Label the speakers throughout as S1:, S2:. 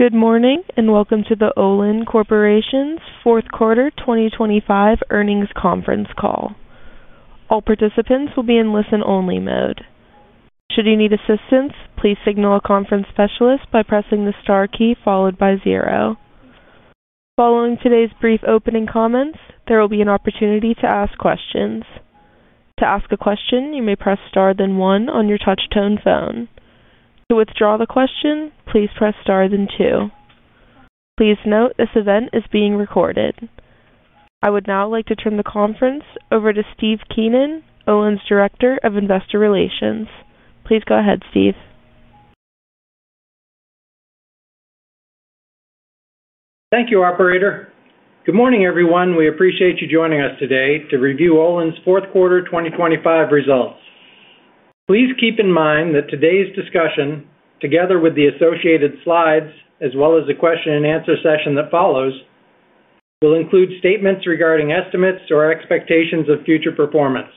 S1: Good morning, and welcome to the Olin Corporation's fourth quarter 2025 Earnings Conference Call. All participants will be in listen-only mode. Should you need assistance, please signal a conference specialist by pressing the star key followed by zero. Following today's brief opening comments, there will be an opportunity to ask questions. To ask a question, you may press star then one on your touch-tone phone. To withdraw the question, please press star then two. Please note, this event is being recorded. I would now like to turn the conference over to Steve Keenan, Olin's Director of Investor Relations. Please go ahead, Steve.
S2: Thank you, operator. Good morning, everyone. We appreciate you joining us today to review Olin's fourth quarter 2025 results. Please keep in mind that today's discussion, together with the associated slides, as well as the Q&A session that follows, will include statements regarding estimates or expectations of future performance.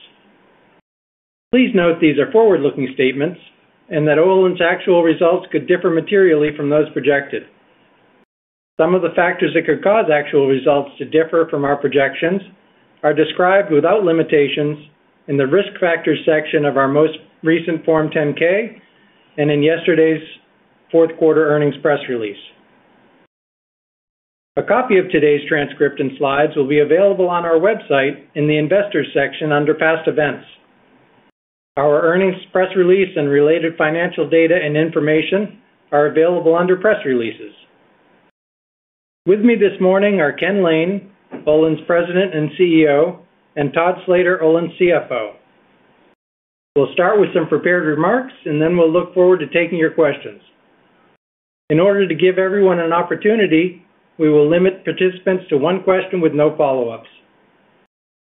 S2: Please note these are forward-looking statements and that Olin's actual results could differ materially from those projected. Some of the factors that could cause actual results to differ from our projections are described without limitations in the Risk Factors section of our most recent Form 10-K and in yesterday's fourth quarter earnings press release. A copy of today's transcript and slides will be available on our website in the Investors section under Past Events. Our earnings press release and related financial data and information are available under Press Releases. With me this morning are Ken Lane, Olin's President and CEO, and Todd Slater, Olin's CFO. We'll start with some prepared remarks, and then we'll look forward to taking your questions. In order to give everyone an opportunity, we will limit participants to one question with no follow-ups.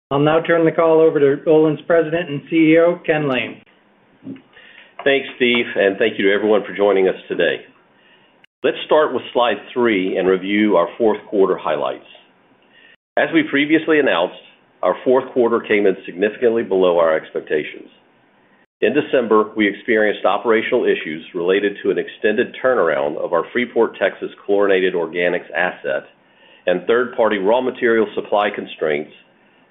S2: I'll now turn the call over to Olin's President and CEO, Ken Lane.
S3: Thanks, Steve, and thank you to everyone for joining us today. Let's start with slide three and review our fourth quarter highlights. As we previously announced, our fourth quarter came in significantly below our expectations. In December, we experienced operational issues related to an extended turnaround of our Freeport, Texas, chlorinated organics asset and third-party raw material supply constraints,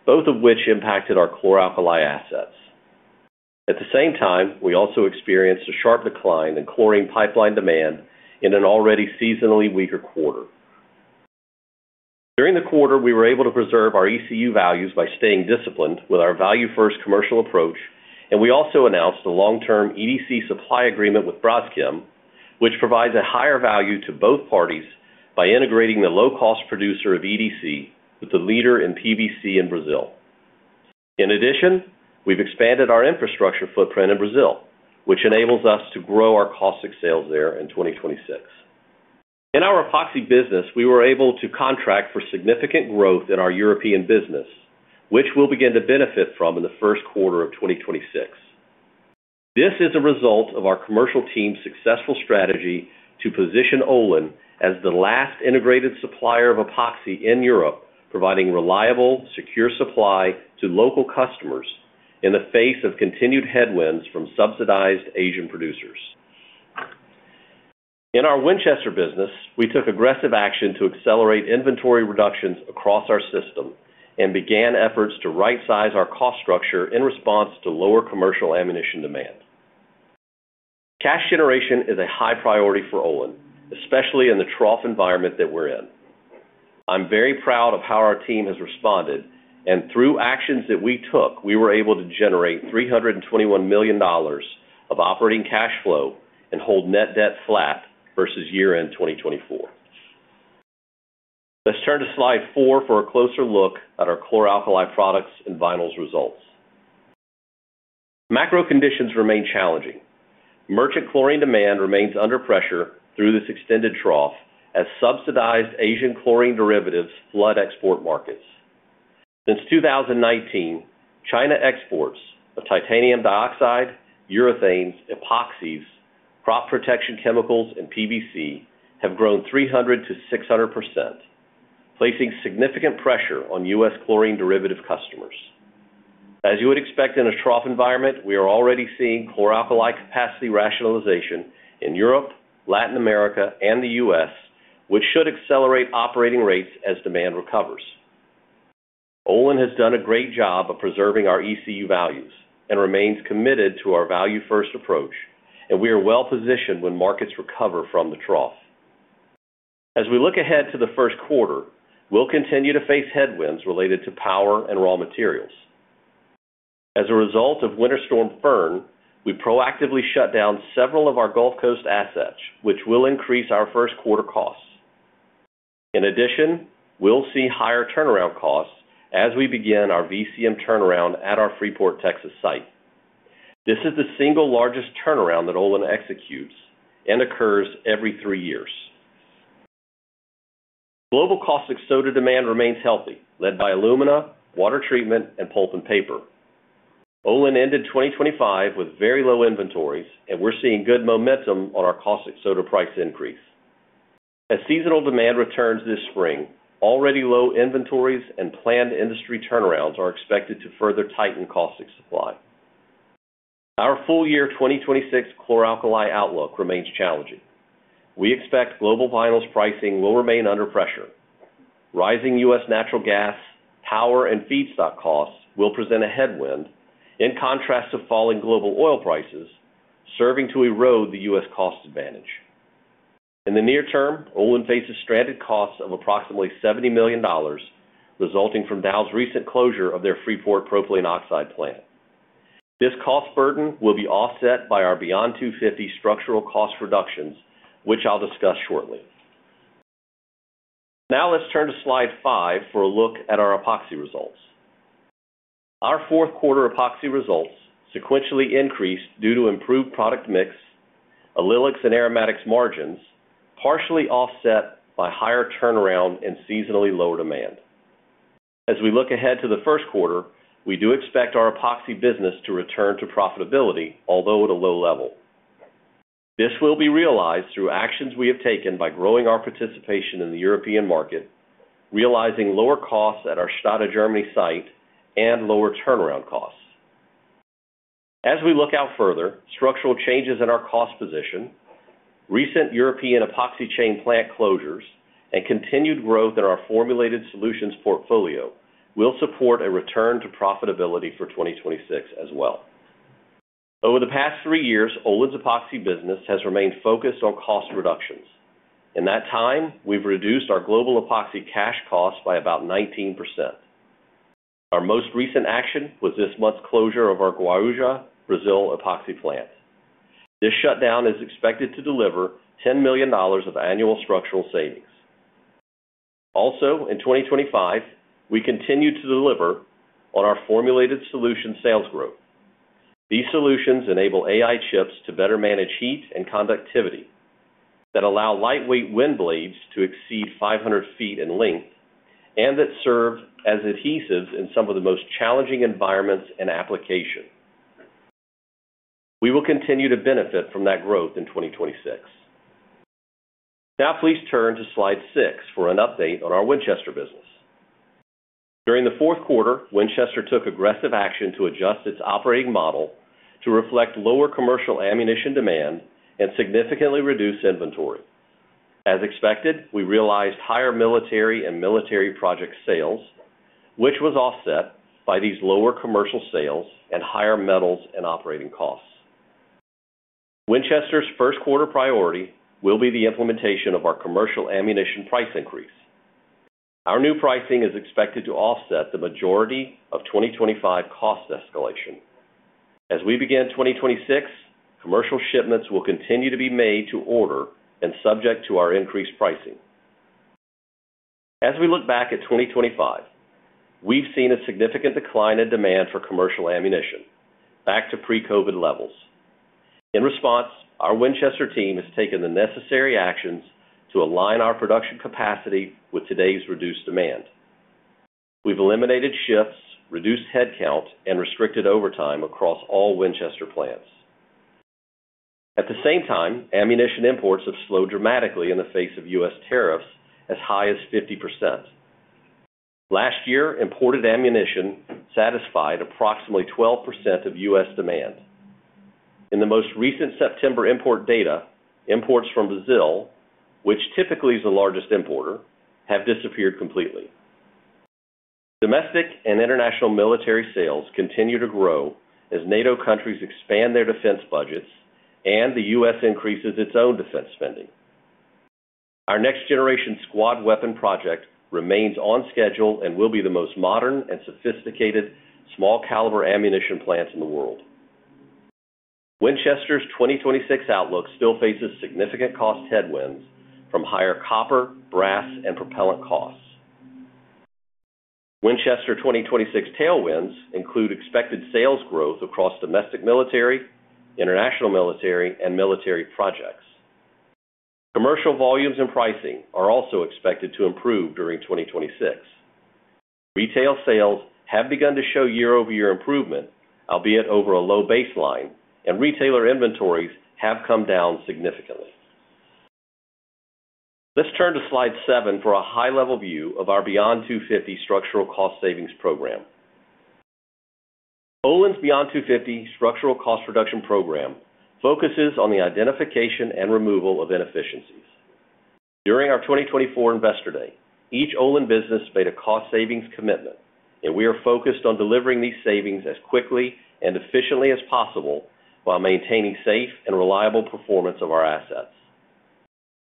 S3: both of which impacted our chlor-alkali assets. At the same time, we also experienced a sharp decline in chlorine pipeline demand in an already seasonally weaker quarter. During the quarter, we were able to preserve our ECU values by staying disciplined with our value-first commercial approach, and we also announced a long-term EDC supply agreement with Braskem, which provides a higher value to both parties by integrating a low-cost producer of EDC with the leader in PVC in Brazil. In addition, we've expanded our infrastructure footprint in Brazil, which enables us to grow our caustic sales there in 2026. In our Epoxy business, we were able to contract for significant growth in our European business, which we'll begin to benefit from in the first quarter of 2026. This is a result of our commercial team's successful strategy to position Olin as the last integrated supplier of Epoxy in Europe, providing reliable, secure supply to local customers in the face of continued headwinds from subsidized Asian producers. In our Winchester business, we took aggressive action to accelerate inventory reductions across our system and began efforts to rightsize our cost structure in response to lower commercial ammunition demand. Cash generation is a high priority for Olin, especially in the trough environment that we're in. I'm very proud of how our team has responded, and through actions that we took, we were able to generate $321 million of operating cash flow and hold net debt flat versus year-end 2024. Let's turn to slide 4 for a closer look at our chlor-alkali products and vinyls results. Macro conditions remain challenging. Merchant chlorine demand remains under pressure through this extended trough as subsidized Asian chlorine derivatives flood export markets. Since 2019, China exports of titanium dioxide, urethanes, epoxies, crop protection chemicals, and PVC have grown 300%-600%, placing significant pressure on U.S. chlorine derivative customers. As you would expect in a trough environment, we are already seeing chlor-alkali capacity rationalization in Europe, Latin America, and the U.S., which should accelerate operating rates as demand recovers. Olin has done a great job of preserving our ECU values and remains committed to our value-first approach, and we are well-positioned when markets recover from the trough. As we look ahead to the first quarter, we'll continue to face headwinds related to power and raw materials. As a result of Winter Storm Fern, we proactively shut down several of our Gulf Coast assets, which will increase our first quarter costs. In addition, we'll see higher turnaround costs as we begin our VCM turnaround at our Freeport, Texas, site. This is the single largest turnaround that Olin executes and occurs every three years. Global caustic soda demand remains healthy, led by alumina, water treatment, and pulp and paper. Olin ended 2025 with very low inventories, and we're seeing good momentum on our caustic soda price increase. As seasonal demand returns this spring, already low inventories and planned industry turnarounds are expected to further tighten caustic supply. Our full-year 2026 chlor-alkali outlook remains challenging. We expect global vinyls pricing will remain under pressure. Rising U.S. natural gas, power, and feedstock costs will present a headwind, in contrast to falling global oil prices, serving to erode the U.S. cost advantage. In the near term, Olin faces stranded costs of approximately $70 million, resulting from Dow's recent closure of their Freeport propylene oxide plant. This cost burden will be offset by our Beyond250 structural cost reductions, which I'll discuss shortly. Now let's turn to Slide 5 for a look at our Epoxy results. Our fourth quarter Epoxy results sequentially increased due to improved product mix, allylics and aromatics margins, partially offset by higher turnaround and seasonally lower demand. As we look ahead to the first quarter, we do expect our Epoxy business to return to profitability, although at a low level. This will be realized through actions we have taken by growing our participation in the European market, realizing lower costs at our Stade, Germany site, and lower turnaround costs. As we look out further, structural changes in our cost position, recent European Epoxy chain plant closures, and continued growth in our formulated solutions portfolio will support a return to profitability for 2026 as well. Over the past 3 years, Olin's Epoxy business has remained focused on cost reductions. In that time, we've reduced our global Epoxy cash costs by about 19%. Our most recent action was this month's closure of our Guarujá, Brazil, Epoxy plant. This shutdown is expected to deliver $10 million of annual structural savings. Also, in 2025, we continued to deliver on our formulated solutions sales growth. These solutions enable AI chips to better manage heat and conductivity, that allow lightweight wind blades to exceed 500 feet in length, and that serve as adhesives in some of the most challenging environments and application. We will continue to benefit from that growth in 2026. Now, please turn to Slide 6 for an update on our Winchester business. During the fourth quarter, Winchester took aggressive action to adjust its operating model to reflect lower commercial ammunition demand and significantly reduce inventory. As expected, we realized higher military and military project sales, which was offset by these lower commercial sales and higher metals and operating costs. Winchester's first quarter priority will be the implementation of our commercial ammunition price increase. Our new pricing is expected to offset the majority of 2025 cost escalation. As we begin 2026, commercial shipments will continue to be made to order and subject to our increased pricing. As we look back at 2025, we've seen a significant decline in demand for commercial ammunition back to pre-COVID levels. In response, our Winchester team has taken the necessary actions to align our production capacity with today's reduced demand. We've eliminated shifts, reduced headcount, and restricted overtime across all Winchester plants. At the same time, ammunition imports have slowed dramatically in the face of U.S. tariffs as high as 50%. Last year, imported ammunition satisfied approximately 12% of U.S. demand. In the most recent September import data, imports from Brazil, which typically is the largest importer, have disappeared completely. Domestic and international military sales continue to grow as NATO countries expand their defense budgets and the U.S. increases its own defense spending. Our Next Generation Squad Weapon project remains on schedule and will be the most modern and sophisticated small caliber ammunition plants in the world. Winchester's 2026 outlook still faces significant cost headwinds from higher copper, brass, and propellant costs. Winchester 2026 tailwinds include expected sales growth across domestic military, international military, and military projects. Commercial volumes and pricing are also expected to improve during 2026. Retail sales have begun to show year-over-year improvement, albeit over a low baseline, and retailer inventories have come down significantly. Let's turn to Slide 7 for a high-level view of our Beyond 250 structural cost savings program. Olin's Beyond 250 structural cost reduction program focuses on the identification and removal of inefficiencies. During our 2024 Investor Day, each Olin business made a cost savings commitment, and we are focused on delivering these savings as quickly and efficiently as possible while maintaining safe and reliable performance of our assets.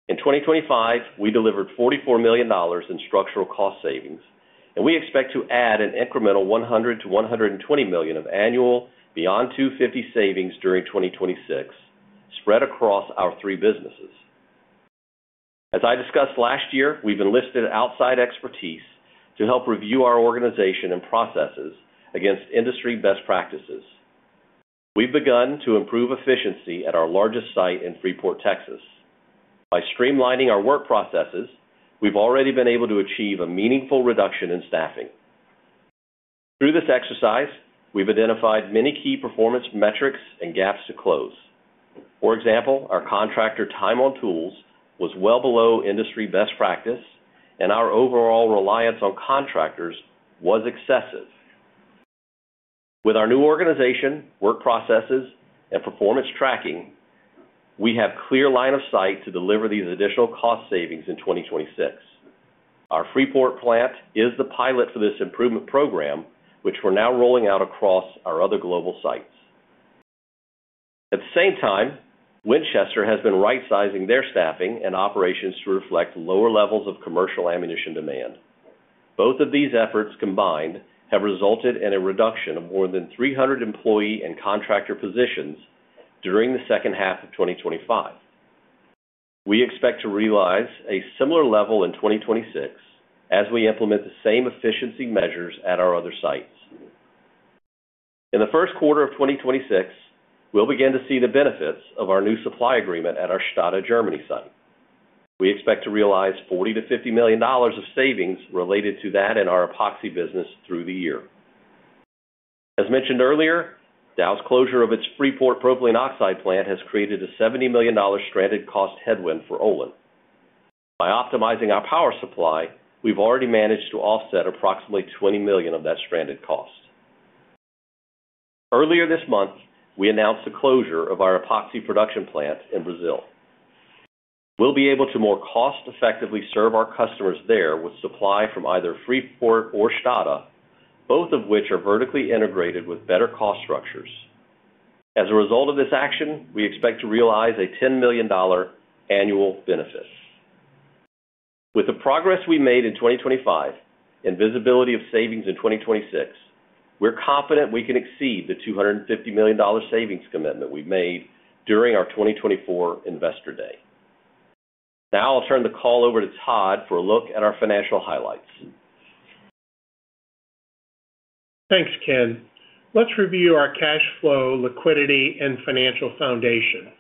S3: In 2025, we delivered $44 million in structural cost savings, and we expect to add an incremental $100 million to $120 million of annual Beyond250 savings during 2026, spread across our three businesses. As I discussed last year, we've enlisted outside expertise to help review our organization and processes against industry best practices. We've begun to improve efficiency at our largest site in Freeport, Texas. By streamlining our work processes, we've already been able to achieve a meaningful reduction in staffing. Through this exercise, we've identified many key performance metrics and gaps to close. For example, our contractor time on tools was well below industry best practice, and our overall reliance on contractors was excessive. With our new organization, work processes, and performance tracking, we have clear line of sight to deliver these additional cost savings in 2026. Our Freeport plant is the pilot for this improvement program, which we're now rolling out across our other global sites. At the same time, Winchester has been rightsizing their staffing and operations to reflect lower levels of commercial ammunition demand. Both of these efforts combined have resulted in a reduction of more than 300 employee and contractor positions during the second half of 2025. We expect to realize a similar level in 2026, as we implement the same efficiency measures at our other sites. In the first quarter of 2026, we'll begin to see the benefits of our new supply agreement at our Stade, Germany, site. We expect to realize $40 million to $50 million of savings related to that in our epoxy business through the year. As mentioned earlier, Dow's closure of its Freeport propylene oxide plant has created a $70 million stranded cost headwind for Olin. By optimizing our power supply, we've already managed to offset approximately $20 million of that stranded cost. Earlier this month, we announced the closure of our epoxy production plant in Brazil. We'll be able to more cost-effectively serve our customers there with supply from either Freeport or Stade, both of which are vertically integrated with better cost structures. As a result of this action, we expect to realize a $10 million annual benefit. With the progress we made in 2025 and visibility of savings in 2026, we're confident we can exceed the $250 million savings commitment we made during our 2024 Investor Day. Now I'll turn the call over to Todd for a look at our financial highlights.
S4: Thanks, Ken. Let's review our cash flow, liquidity, and financial foundation.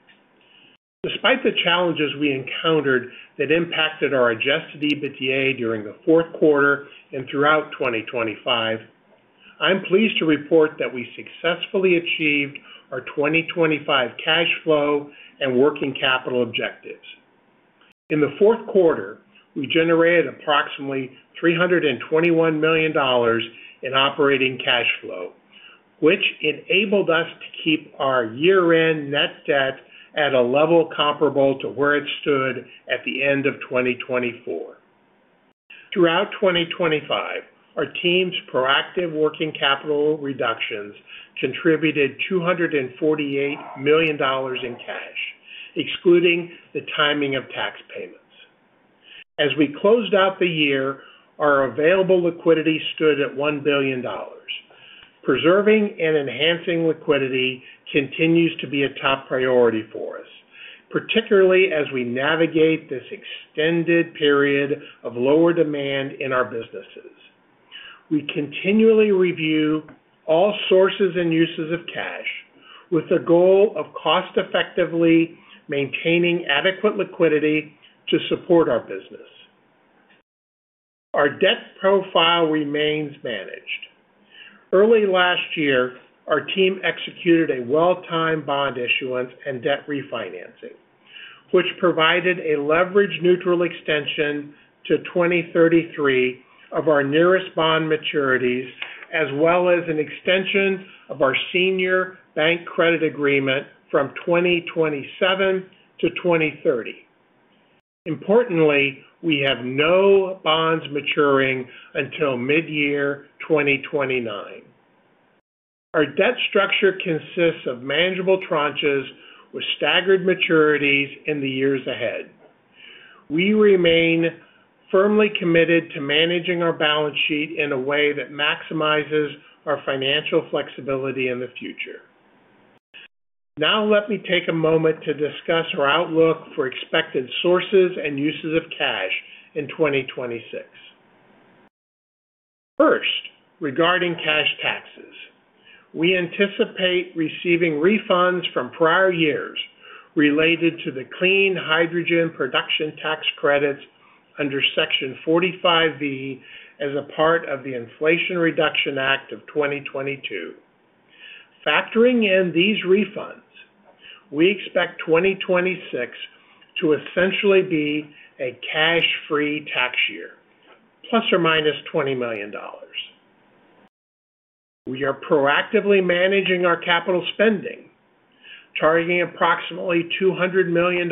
S4: Despite the challenges we encountered that impacted our adjusted EBITDA during the fourth quarter and throughout 2025, I'm pleased to report that we successfully achieved our 2025 cash flow and working capital objectives. In the fourth quarter, we generated approximately $321 million in operating cash flow, which enabled us to keep our year-end net debt at a level comparable to where it stood at the end of 2024. Throughout 2025, our team's proactive working capital reductions contributed $248 million in cash, excluding the timing of tax payments. As we closed out the year, our available liquidity stood at $1 billion. Preserving and enhancing liquidity continues to be a top priority for us, particularly as we navigate this extended period of lower demand in our businesses. We continually review all sources and uses of cash with the goal of cost effectively maintaining adequate liquidity to support our business. Our debt profile remains managed. Early last year, our team executed a well-timed bond issuance and debt refinancing, which provided a leverage-neutral extension to 2033 of our nearest bond maturities, as well as an extension of our senior bank credit agreement from 2027 to 2030. Importantly, we have no bonds maturing until mid-year 2029. Our debt structure consists of manageable tranches with staggered maturities in the years ahead. We remain firmly committed to managing our balance sheet in a way that maximizes our financial flexibility in the future. Now, let me take a moment to discuss our outlook for expected sources and uses of cash in 2026. First, regarding cash taxes, we anticipate receiving refunds from prior years related to the clean hydrogen production tax credits under Section 45V, as a part of the Inflation Reduction Act of 2022. Factoring in these refunds, we expect 2026 to essentially be a cash-free tax year, ±$20 million. We are proactively managing our capital spending, targeting approximately $200 million,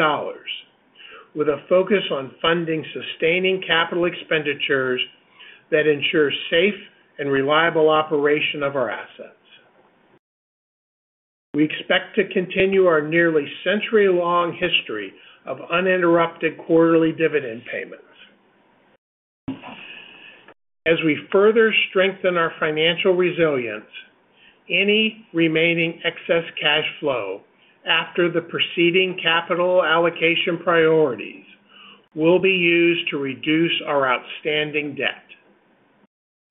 S4: with a focus on funding sustaining capital expenditures that ensure safe and reliable operation of our assets. We expect to continue our nearly century-long history of uninterrupted quarterly dividend payments. As we further strengthen our financial resilience, any remaining excess cash flow after the preceding capital allocation priorities will be used to reduce our outstanding debt.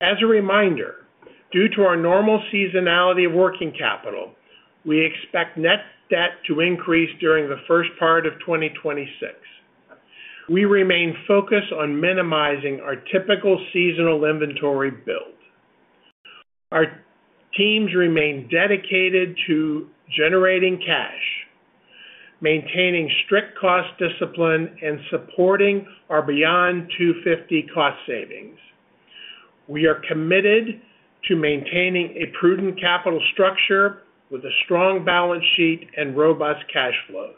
S4: As a reminder, due to our normal seasonality of working capital, we expect net debt to increase during the first part of 2026. We remain focused on minimizing our typical seasonal inventory build. Our teams remain dedicated to generating cash, maintaining strict cost discipline, and supporting our Beyond250 cost savings. We are committed to maintaining a prudent capital structure with a strong balance sheet and robust cash flows.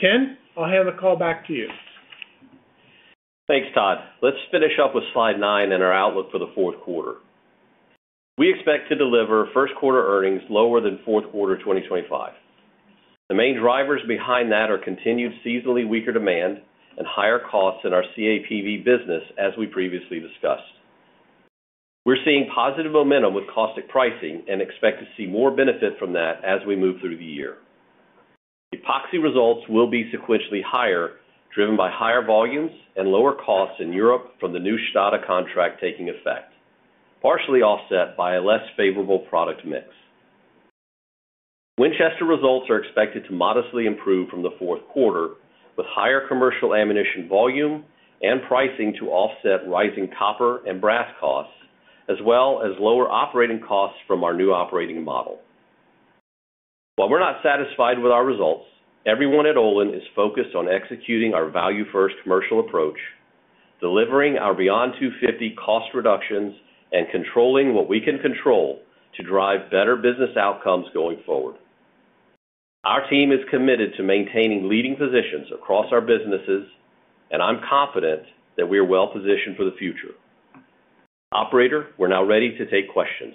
S4: Ken, I'll hand the call back to you.
S3: Thanks, Todd. Let's finish up with slide 9 and our outlook for the fourth quarter. We expect to deliver first quarter earnings lower than fourth quarter 2025. The main drivers behind that are continued seasonally weaker demand and higher costs in our CAPV business, as we previously discussed. We're seeing positive momentum with caustic pricing and expect to see more benefit from that as we move through the year. Epoxy results will be sequentially higher, driven by higher volumes and lower costs in Europe from the new Stade contract taking effect, partially offset by a less favorable product mix. Winchester results are expected to modestly improve from the fourth quarter, with higher commercial ammunition volume and pricing to offset rising copper and brass costs, as well as lower operating costs from our new operating model. While we're not satisfied with our results, everyone at Olin is focused on executing our value-first commercial approach, delivering our Beyond250 cost reductions, and controlling what we can control to drive better business outcomes going forward. Our team is committed to maintaining leading positions across our businesses, and I'm confident that we are well-positioned for the future. Operator, we're now ready to take questions.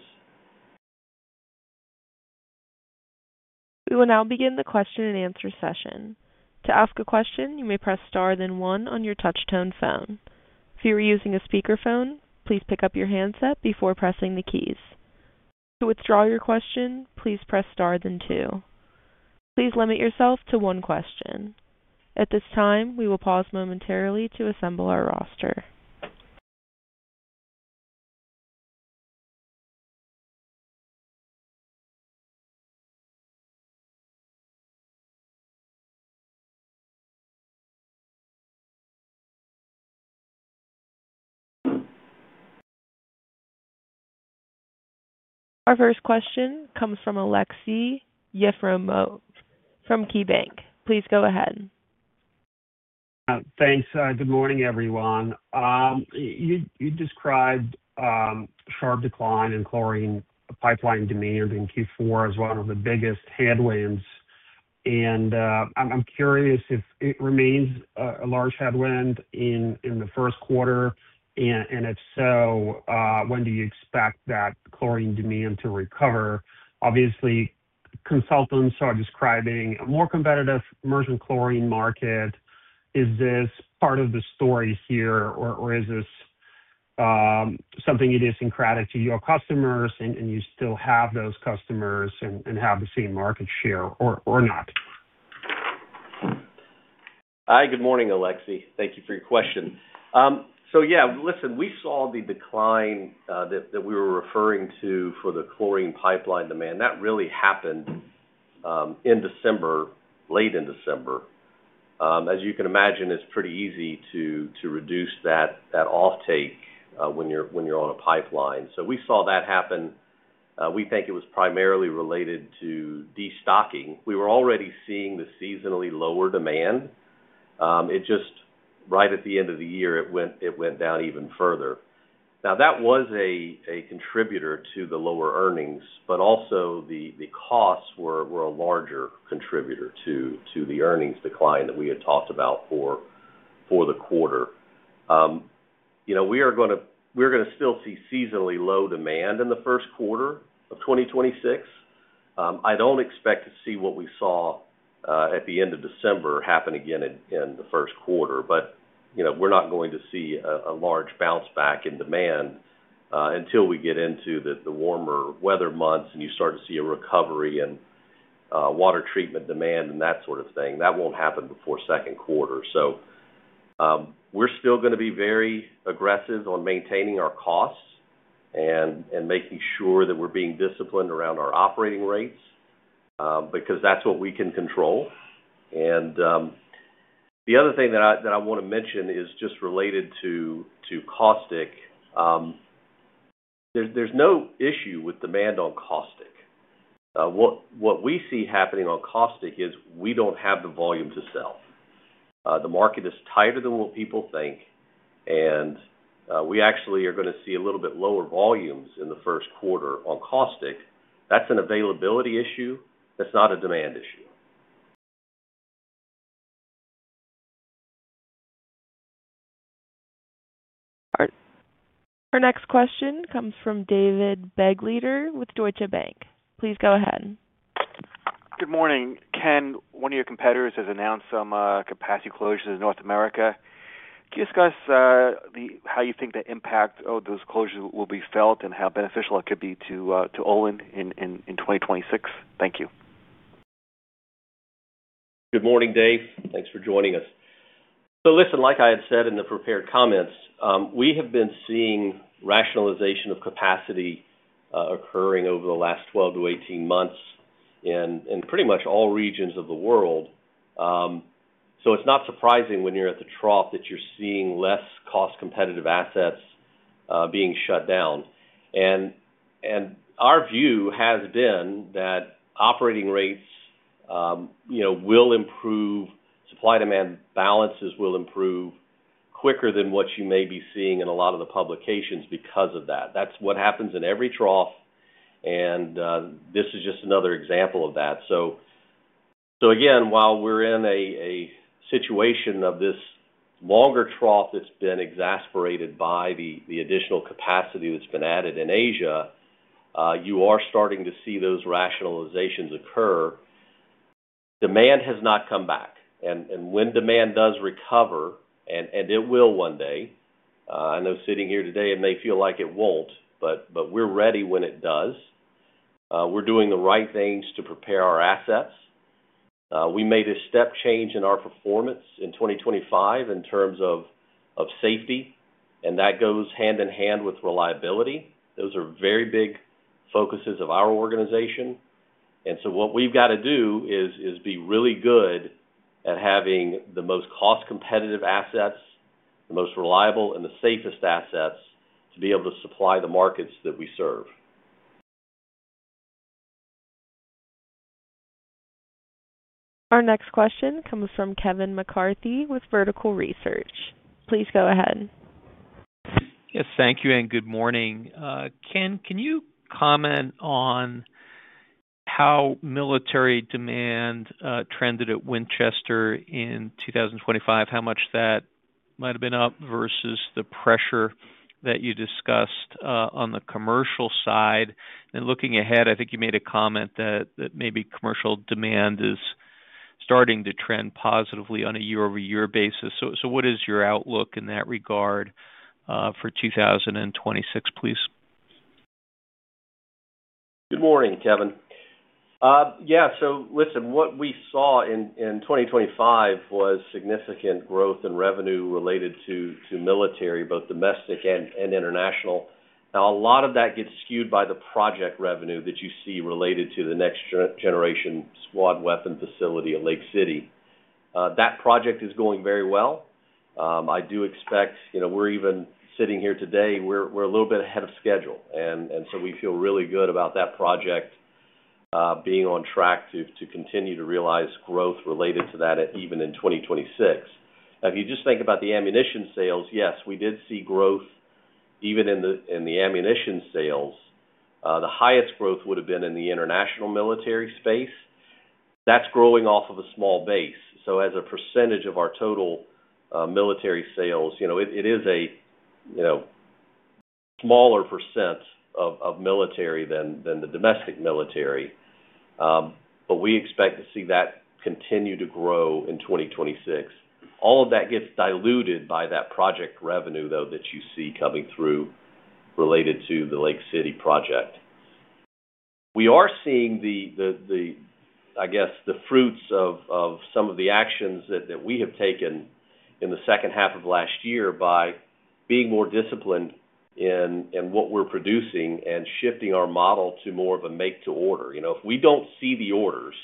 S1: We will now begin the question-and-answer session. To ask a question, you may press star, then one on your touchtone phone. If you are using a speakerphone, please pick up your handset before pressing the keys. To withdraw your question, please press star then two. Please limit yourself to one question. At this time, we will pause momentarily to assemble our roster. Our first question comes from Aleksey Yefremov from KeyBanc. Please go ahead.
S5: Thanks, good morning, everyone. You described a sharp decline in chlorine pipeline demand in Q4 as one of the biggest headwinds, and I'm curious if it remains a large headwind in the first quarter. And if so, when do you expect that chlorine demand to recover? Obviously, consultants are describing a more competitive merchant chlorine market. Is this part of the story here, or is this something idiosyncratic to your customers, and you still have those customers and have the same market share, or not?
S3: Hi, good morning, Alexi. Thank you for your question. So yeah, listen, we saw the decline that we were referring to for the chlorine pipeline demand. That really happened in December, late in December. As you can imagine, it's pretty easy to reduce that offtake when you're on a pipeline. So we saw that happen. We think it was primarily related to destocking. We were already seeing the seasonally lower demand. It just, right at the end of the year, it went down even further. Now, that was a contributor to the lower earnings, but also the costs were a larger contributor to the earnings decline that we had talked about for the quarter. You know, we are gonna we're gonna still see seasonally low demand in the first quarter of 2026. I don't expect to see what we saw at the end of December happen again in the first quarter. But, you know, we're not going to see a large bounce back in demand until we get into the warmer weather months, and you start to see a recovery in water treatment demand and that sort of thing. That won't happen before second quarter. So, we're still gonna be very aggressive on maintaining our costs and making sure that we're being disciplined around our operating rates because that's what we can control. And the other thing that I wanna mention is just related to caustic. There's no issue with demand on caustic. What we see happening on caustic is we don't have the volume to sell. The market is tighter than what people think, and we actually are gonna see a little bit lower volumes in the first quarter on caustic. That's an availability issue. That's not a demand issue.
S1: Our next question comes from David Begleiter with Deutsche Bank. Please go ahead.
S6: Good morning. Ken, one of your competitors has announced some capacity closures in North America. Can you discuss how you think the impact of those closures will be felt and how beneficial it could be to Olin in 2026? Thank you.
S3: Good morning, Dave. Thanks for joining us. So listen, like I had said in the prepared comments, we have been seeing rationalization of capacity occurring over the last 12-18 months in, in pretty much all regions of the world. So it's not surprising when you're at the trough that you're seeing less cost-competitive assets being shut down. And, and our view has been that operating rates, you know, will improve, supply-demand balances will improve quicker than what you may be seeing in a lot of the publications because of that. That's what happens in every trough, and, this is just another example of that. So, so again, while we're in a, a situation of this longer trough that's been exasperated by the, the additional capacity that's been added in Asia, you are starting to see those rationalizations occur. Demand has not come back, and when demand does recover, and it will one day, I know sitting here today it may feel like it won't, but we're ready when it does. We're doing the right things to prepare our assets. We made a step change in our performance in 2025 in terms of safety, and that goes hand-in-hand with reliability. Those are very big focuses of our organization. And so what we've got to do is be really good at having the most cost-competitive assets, the most reliable, and the safest assets to be able to supply the markets that we serve.
S1: Our next question comes from Kevin McCarthy with Vertical Research. Please go ahead.
S7: Yes, thank you, and good morning. Ken, can you comment on how military demand trended at Winchester in 2025? How much that might have been up versus the pressure that you discussed on the commercial side? And looking ahead, I think you made a comment that, that maybe commercial demand is starting to trend positively on a year-over-year basis. So, so what is your outlook in that regard for 2026, please?
S3: Good morning, Kevin. Yeah, so listen, what we saw in 2025 was significant growth in revenue related to military, both domestic and international. Now, a lot of that gets skewed by the project revenue that you see related to the Next Generation Squad Weapon facility at Lake City. That project is going very well. I do expect. You know, we're even sitting here today, we're a little bit ahead of schedule, and so we feel really good about that project being on track to continue to realize growth related to that even in 2026. If you just think about the ammunition sales, yes, we did see growth even in the ammunition sales. The highest growth would have been in the international military space. That's growing off of a small base, so as a percentage of our total military sales, you know, it is a smaller percent of military than the domestic military. But we expect to see that continue to grow in 2026. All of that gets diluted by that project revenue, though, that you see coming through related to the Lake City project. We are seeing the fruits of some of the actions that we have taken in the second half of last year by being more disciplined in what we're producing and shifting our model to more of a make to order. You know, if we don't see the orders,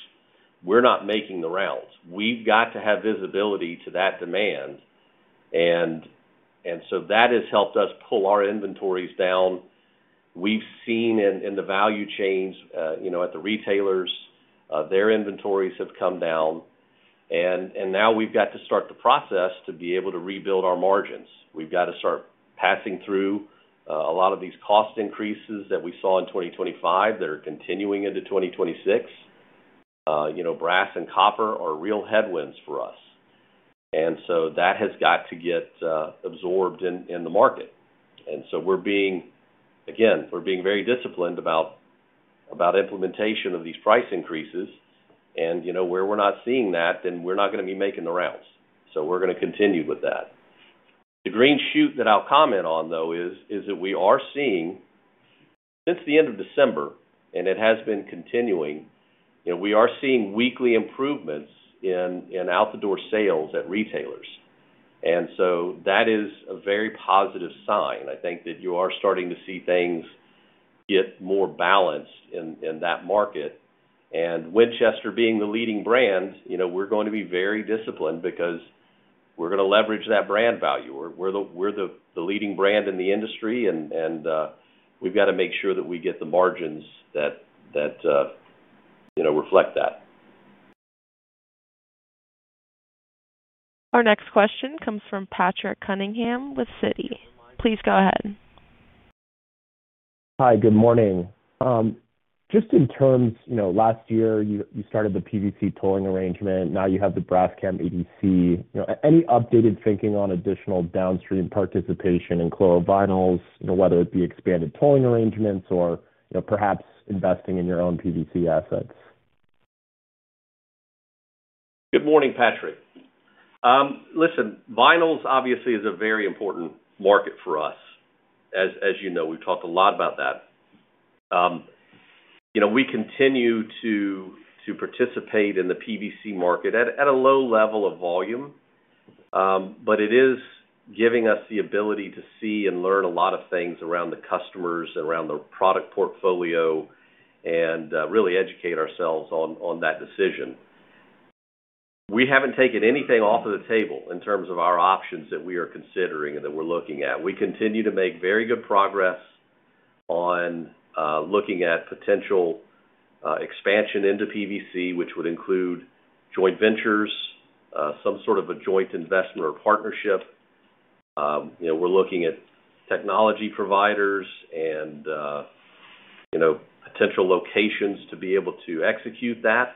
S3: we're not making the rounds. We've got to have visibility to that demand. And so that has helped us pull our inventories down. We've seen in, in the value chains, you know, at the retailers, their inventories have come down, and, and now we've got to start the process to be able to rebuild our margins. We've got to start passing through, a lot of these cost increases that we saw in 2025 that are continuing into 2026. You know, brass and copper are real headwinds for us, and so that has got to get, absorbed in, in the market. And so we're being, again, we're being very disciplined about, about implementation of these price increases. And, you know, where we're not seeing that, then we're not gonna be making the rounds. So we're gonna continue with that. The green shoot that I'll comment on, though, is that we are seeing, since the end of December, and it has been continuing, you know, we are seeing weekly improvements in out-the-door sales at retailers. And so that is a very positive sign. I think that you are starting to see things get more balanced in that market. And Winchester being the leading brand, you know, we're going to be very disciplined because we're gonna leverage that brand value. We're the leading brand in the industry, and we've got to make sure that we get the margins that, you know, reflect that.
S1: Our next question comes from Patrick Cunningham with Citi. Please go ahead.
S8: Hi, good morning. Just in terms, you know, last year you started the PVC tolling arrangement, now you have the Braskem EDC. You know, any updated thinking on additional downstream participation in chlorovinyls, you know, whether it be expanded tolling arrangements or, you know, perhaps investing in your own PVC assets?
S3: Good morning, Patrick. Listen, vinyls obviously is a very important market for us. As you know, we've talked a lot about that. You know, we continue to participate in the PVC market at a low level of volume. But it is giving us the ability to see and learn a lot of things around the customers, around the product portfolio, and really educate ourselves on that decision. We haven't taken anything off of the table in terms of our options that we are considering and that we're looking at. We continue to make very good progress on looking at potential expansion into PVC, which would include joint ventures, some sort of a joint investment or partnership. You know, we're looking at technology providers and you know, potential locations to be able to execute that.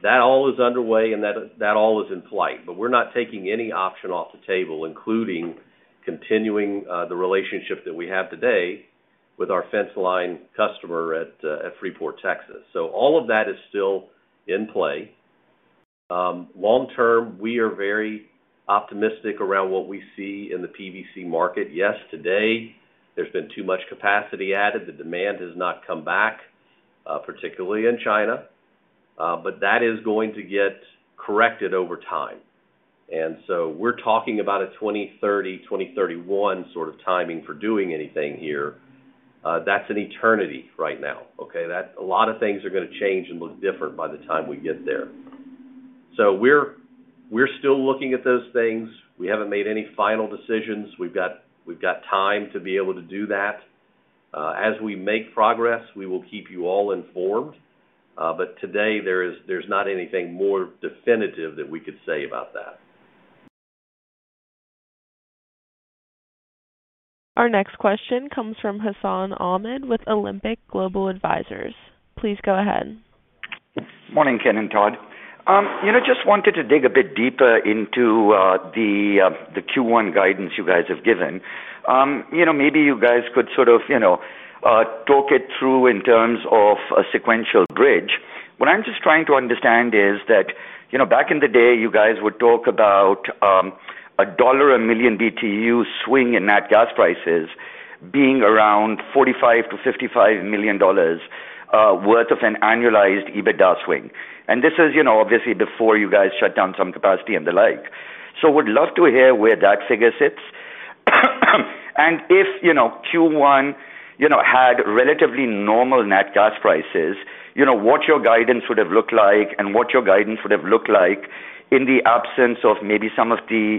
S3: That all is underway, and that, that all is in play. But we're not taking any option off the table, including continuing, the relationship that we have today with our fence line customer at, at Freeport, Texas. So all of that is still in play. Long term, we are very optimistic around what we see in the PVC market. Yes, today, there's been too much capacity added. The demand has not come back, particularly in China, but that is going to get corrected over time. And so we're talking about a 2030, 2031 sort of timing for doing anything here. That's an eternity right now, okay? That A lot of things are gonna change and look different by the time we get there. So we're, we're still looking at those things. We haven't made any final decisions. We've got time to be able to do that. As we make progress, we will keep you all informed. But today there is, there's not anything more definitive that we could say about that.
S1: Our next question comes from Hassan Ahmed with Alembic Global Advisors. Please go ahead.
S9: Morning, Ken and Todd. You know, just wanted to dig a bit deeper into the Q1 guidance you guys have given. You know, maybe you guys could sort of talk it through in terms of a sequential bridge. What I'm just trying to understand is that, you know, back in the day, you guys would talk about a $1 per million BTU swing in nat gas prices being around $45 million to $55 million worth of an annualized EBITDA swing. And this is, you know, obviously, before you guys shut down some capacity and the like. So would love to hear where that figure sits. And if, you know, Q1 had relatively normal nat gas prices, you know, what your guidance would have looked like and what your guidance would have looked like in the absence of maybe some of the,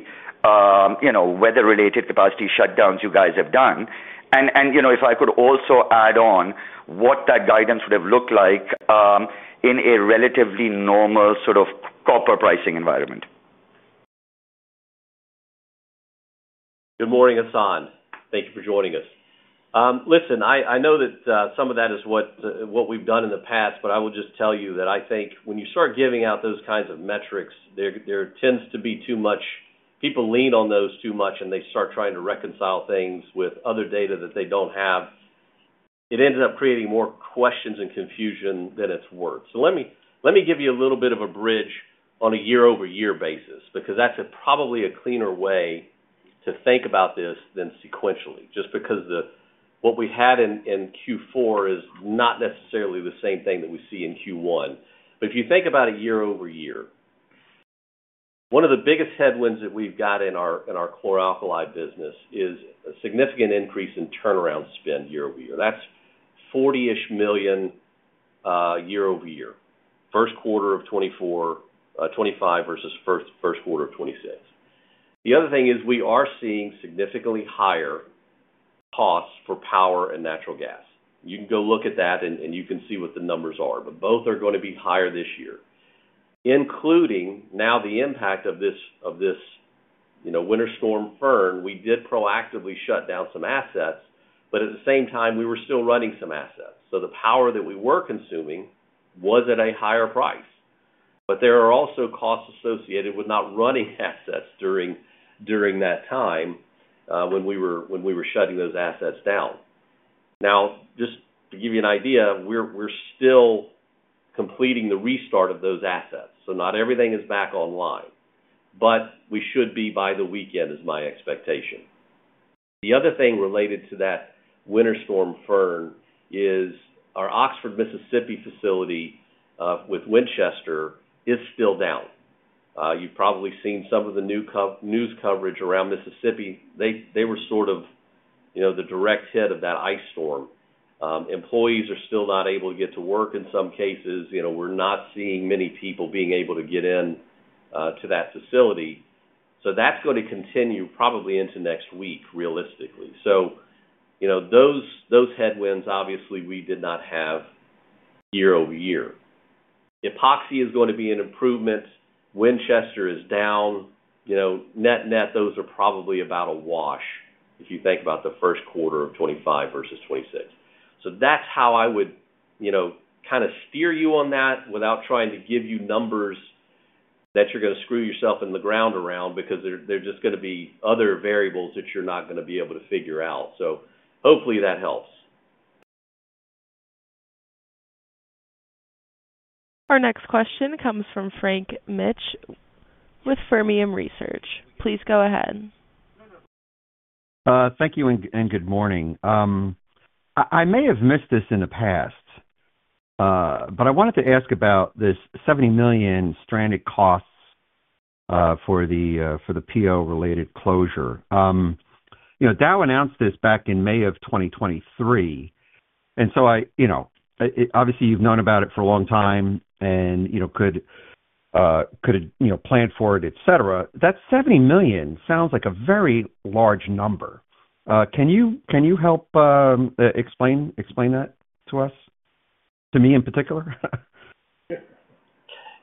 S9: you know, weather-related capacity shutdowns you guys have done. And, you know, if I could also add on what that guidance would have looked like in a relatively normal sort of copper pricing environment.
S3: Good morning, Hassan. Thank you for joining us. Listen, I, I know that, some of that is what, what we've done in the past, but I will just tell you that I think when you start giving out those kinds of metrics, there, there tends to be too much. People lean on those too much, and they start trying to reconcile things with other data that they don't have. It ends up creating more questions and confusion than it's worth. So let me, let me give you a little bit of a bridge on a year-over-year basis, because that's a probably a cleaner way to think about this than sequentially, just because the, what we had in, in Q4 is not necessarily the same thing that we see in Q1. But if you think about it year-over-year, one of the biggest headwinds that we've got in our, in our chlor-alkali business is a significant increase in turnaround spend year-over-year. That's $40-ish million year-over-year, first quarter of 2024, 2025 versus first, first quarter of 2026. The other thing is we are seeing significantly higher costs for power and natural gas. You can go look at that, and, and you can see what the numbers are, but both are gonna be higher this year, including now the impact of this, of this, you know, Winter Storm Fern. We did proactively shut down some assets, but at the same time, we were still running some assets. So the power that we were consuming was at a higher price. But there are also costs associated with not running assets during that time, when we were shutting those assets down. Now, just to give you an idea, we're still completing the restart of those assets, so not everything is back online. But we should be by the weekend, is my expectation. The other thing related to that Winter Storm Fern is our Oxford, Mississippi, facility with Winchester is still down. You've probably seen some of the news coverage around Mississippi. They were sort of, you know, the direct hit of that ice storm. Employees are still not able to get to work in some cases. You know, we're not seeing many people being able to get in to that facility. So that's gonna continue probably into next week, realistically. So, you know, those headwinds obviously we did not have year-over-year. Epoxy is going to be an improvement. Winchester is down. You know, net-net, those are probably about a wash, if you think about the first quarter of 2025 versus 2026. So that's how I would, you know, kind of steer you on that without trying to give you numbers that you're gonna screw yourself in the ground around, because there are just gonna be other variables that you're not gonna be able to figure out. So hopefully that helps.
S1: Our next question comes from Frank Mitsch with Fermium Research. Please go ahead.
S10: Thank you, and good morning. I may have missed this in the past, but I wanted to ask about this $70 million stranded costs, for the PO-related closure. You know, Dow announced this back in May 2023, and so I you know, obviously, you've known about it for a long time and, you know, could plan for it, et cetera. That $70 million sounds like a very large number. Can you help explain that to us, to me in particular?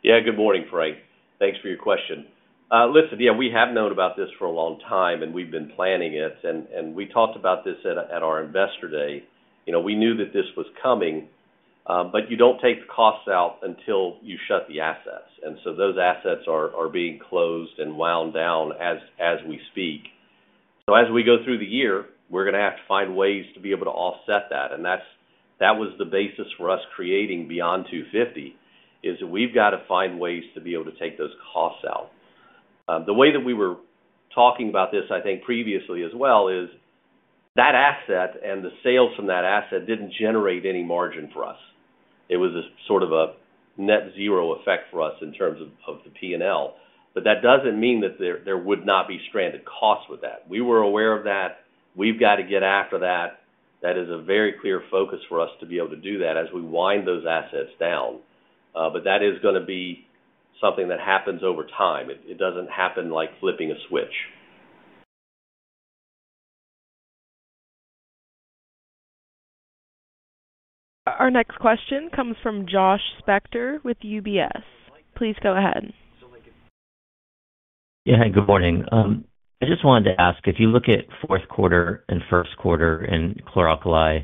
S3: Yeah. Good morning, Frank. Thanks for your question. Listen, yeah, we have known about this for a long time, and we've been planning it, and we talked about this at our Investor Day. You know, we knew that this was coming, but you don't take the costs out until you shut the assets, and so those assets are being closed and wound down as we speak. So as we go through the year, we're gonna have to find ways to be able to offset that, and that was the basis for us creating Beyond250, is that we've got to find ways to be able to take those costs out. The way that we were talking about this, I think, previously as well, is that asset and the sales from that asset didn't generate any margin for us. It was a sort of a net zero effect for us in terms of, of the P&L, but that doesn't mean that there, there would not be stranded costs with that. We were aware of that. We've got to get after that. That is a very clear focus for us to be able to do that as we wind those assets down. But that is gonna be something that happens over time. It, it doesn't happen like flipping a switch.
S1: Our next question comes from Josh Spector with UBS. Please go ahead.
S11: Yeah. Good morning. I just wanted to ask, if you look at fourth quarter and first quarter in chlor-alkali,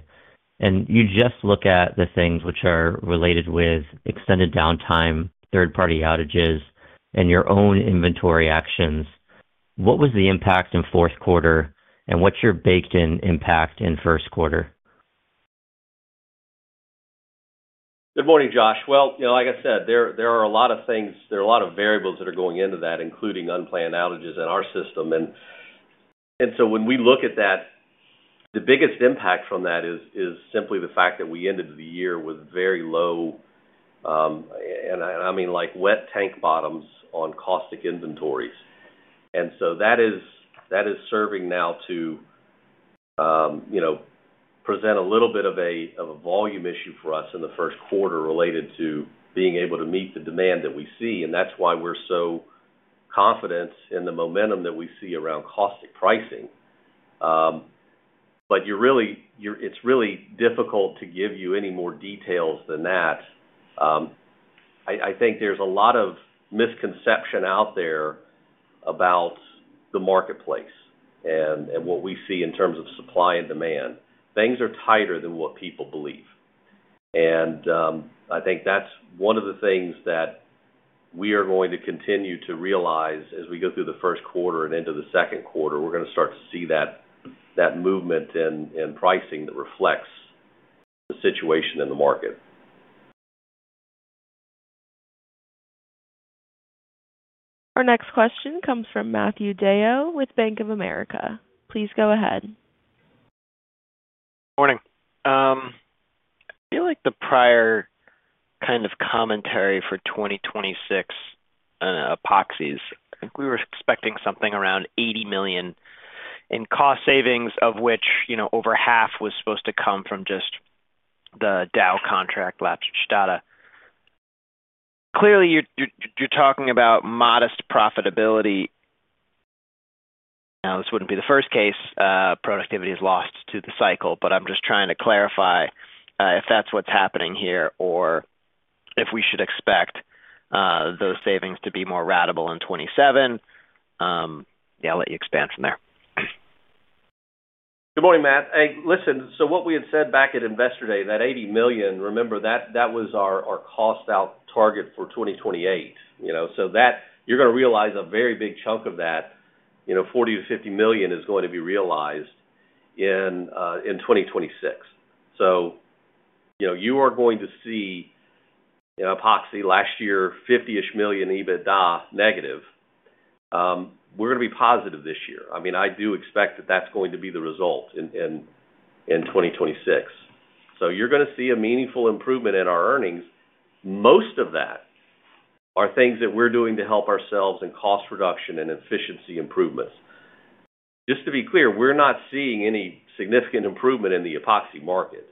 S11: and you just look at the things which are related with extended downtime, third-party outages, and your own inventory actions, what was the impact in fourth quarter, and what's your baked-in impact in first quarter?
S3: Good morning, Josh. Well, you know, like I said, there are a lot of variables that are going into that, including unplanned outages in our system. And so when we look at that, the biggest impact from that is simply the fact that we ended the year with very low wet tank bottoms on caustic inventories. And so that is serving now to, you know, present a little bit of a volume issue for us in the first quarter related to being able to meet the demand that we see, and that's why we're so confident in the momentum that we see around caustic pricing. But it's really difficult to give you any more details than that. I think there's a lot of misconception out there about the marketplace and what we see in terms of supply and demand. Things are tighter than what people believe, and I think that's one of the things that we are going to continue to realize as we go through the first quarter and into the second quarter. We're gonna start to see that movement in pricing that reflects the situation in the market.
S1: Our next question comes from Matthew DeYoe with Bank of America. Please go ahead.
S12: Morning. I feel like the prior kind of commentary for 2026, epoxies, I think we were expecting something around $80 million in cost savings, of which, you know, over half was supposed to come from just the Dow contract, Lappeenranta. Clearly, you're, you're, you're talking about modest profitability. Now, this wouldn't be the first case, productivity is lost to the cycle, but I'm just trying to clarify, if that's what's happening here or if we should expect, those savings to be more ratable in 2027. Yeah, I'll let you expand from there.
S3: Good morning, Matt. Hey, listen, so what we had said back at Investor Day, that $80 million, remember, that, that was our, our cost out target for 2028, you know? So that you're gonna realize a very big chunk of that. You know, $40 million to $50 million is going to be realized in, in 2026. So, you know, you are going to see in Epoxy last year, 50-ish million EBITDA negative. We're gonna be positive this year. I mean, I do expect that that's going to be the result in 2026. So you're gonna see a meaningful improvement in our earnings. Most of that are things that we're doing to help ourselves in cost reduction and efficiency improvements. Just to be clear, we're not seeing any significant improvement in the Epoxy market.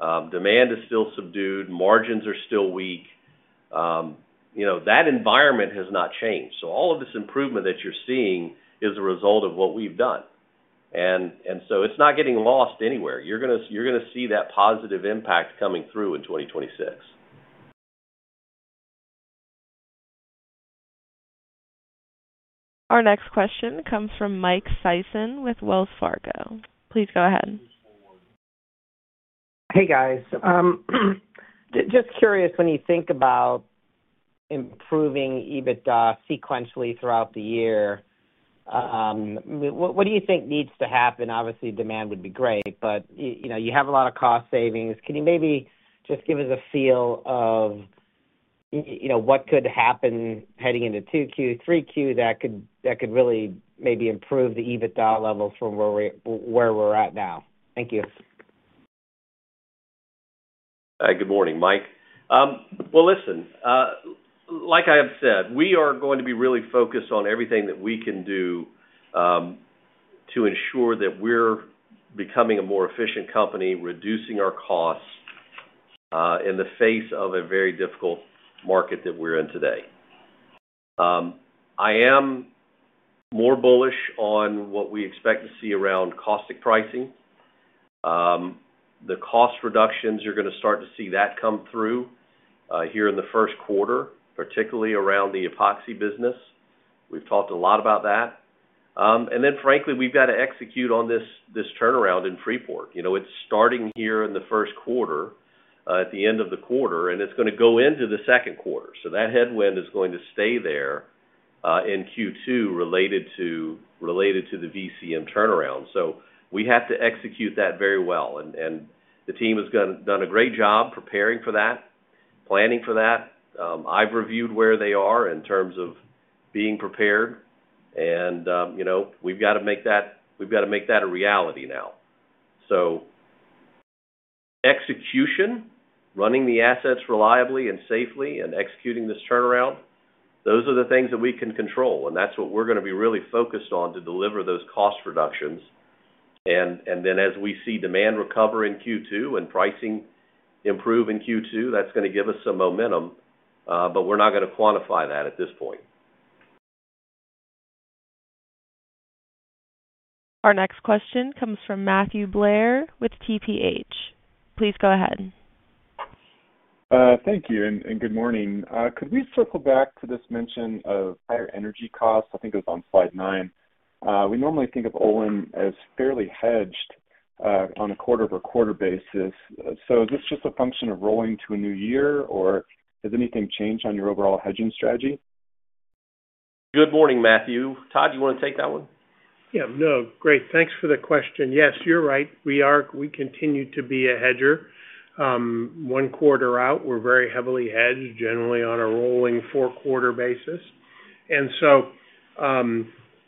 S3: Demand is still subdued, margins are still weak. You know, that environment has not changed. So all of this improvement that you're seeing is a result of what we've done. So it's not getting lost anywhere. You're gonna see that positive impact coming through in 2026.
S1: Our next question comes from Mike Sison with Wells Fargo. Please go ahead.
S13: Hey, guys. Just curious, when you think about improving EBITDA sequentially throughout the year, what do you think needs to happen? Obviously, demand would be great, but, you know, you have a lot of cost savings. Can you maybe just give us a feel of you know, what could happen heading into 2Q, 3Q that could, that could really maybe improve the EBITDA levels from where we, where we're at now? Thank you.
S3: Hi, good morning, Mike. Well, listen, like I have said, we are going to be really focused on everything that we can do, to ensure that we're becoming a more efficient company, reducing our costs, in the face of a very difficult market that we're in today. I am more bullish on what we expect to see around caustic pricing. The cost reductions, you're gonna start to see that come through, here in the first quarter, particularly around the Epoxy business. We've talked a lot about that. And then frankly, we've got to execute on this, this turnaround in Freeport. You know, it's starting here in the first quarter, at the end of the quarter, and it's gonna go into the second quarter. So that headwind is going to stay there, in Q2, related to, related to the VCM turnaround. So we have to execute that very well, and the team has done a great job preparing for that, planning for that. I've reviewed where they are in terms of being prepared, and, you know, we've got to make that, we've got to make that a reality now. So execution, running the assets reliably and safely, and executing this turnaround, those are the things that we can control, and that's what we're gonna be really focused on to deliver those cost reductions. And then as we see demand recover in Q2 and pricing improve in Q2, that's gonna give us some momentum, but we're not gonna quantify that at this point.
S1: Our next question comes from Matthew Blair with TPH. Please go ahead.
S14: Thank you, and good morning. Could we circle back to this mention of higher energy costs? I think it was on slide 9. We normally think of Olin as fairly hedged on a quarter-over-quarter basis. So is this just a function of rolling to a new year, or has anything changed on your overall hedging strategy?
S3: Good morning, Matthew. Todd, do you want to take that one?
S4: Yeah. No, great. Thanks for the question. Yes, you're right. We are. We continue to be a hedger. One quarter out, we're very heavily hedged, generally on a rolling four-quarter basis. And so,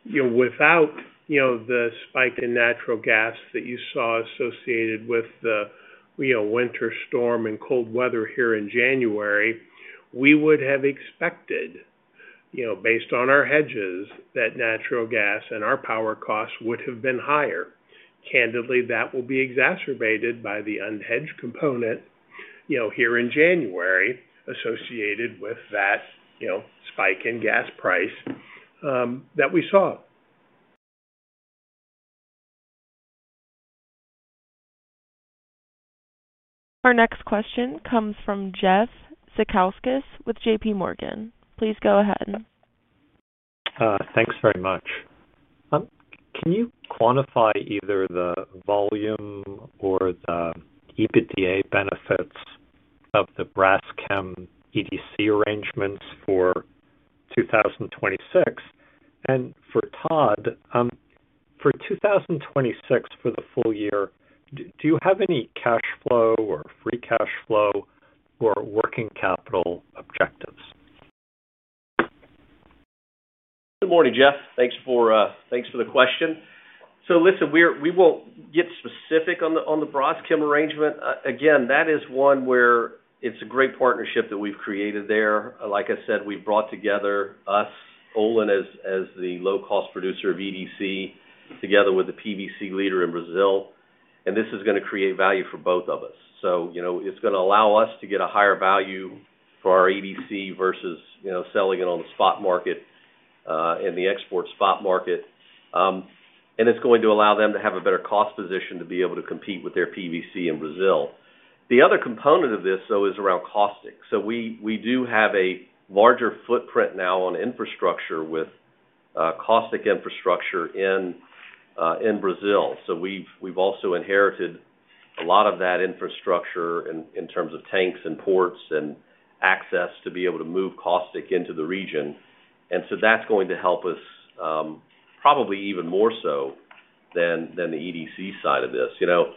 S4: you know, without, you know, the spike in natural gas that you saw associated with the, you know, winter storm and cold weather here in January, we would have expected, you know, based on our hedges, that natural gas and our power costs would have been higher. Candidly, that will be exacerbated by the unhedged component, you know, here in January, associated with that, you know, spike in gas price, that we saw.
S1: Our next question comes from Jeff Zekauskas with JPMorgan. Please go ahead.
S15: Thanks very much. Can you quantify either the volume or the EBITDA benefits of the Braskem EDC arrangements for 2026? And for Todd, for 2026, for the full year, do you have any cash flow or free cash flow or working capital objectives?
S3: Good morning, Jeff. Thanks for the question. So listen, we won't get specific on the Braskem arrangement. Again, that is one where it's a great partnership that we've created there. Like I said, we've brought together us, Olin, as the low-cost producer of EDC, together with the PVC leader in Brazil, and this is gonna create value for both of us. So, you know, it's gonna allow us to get a higher value for our EDC versus, you know, selling it on the spot market, and the export spot market. And it's going to allow them to have a better cost position to be able to compete with their PVC in Brazil. The other component of this, though, is around caustic. So we do have a larger footprint now on infrastructure with caustic infrastructure in Brazil. So we've also inherited a lot of that infrastructure in terms of tanks and ports and access to be able to move caustic into the region. And so that's going to help us, probably even more so than the EDC side of this. You know,